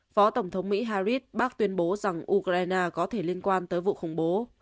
phó tổng thống mỹ harris bác tuyên bố rằng ukraine có thể liên quan tới vụ khủng bố